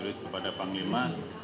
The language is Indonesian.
tidak bisa diberikan